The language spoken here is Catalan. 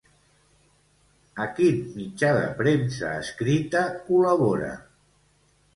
A quin mitjà de premsa escrita col·labora?